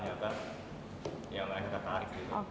ya mereka tertarik